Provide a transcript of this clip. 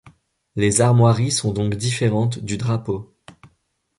Les armoiries sont donc différentes du drapeau.